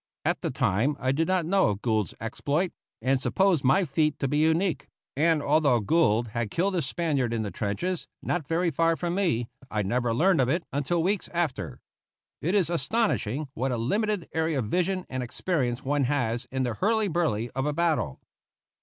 At the time I did not know of Gould's exploit, and supposed my feat to be unique; and although Gould had killed his Spaniard in the trenches, not very far from me, I never learned of it until weeks after. It is astonishing what a limited area of vision and experience one has in the hurly burly of a battle.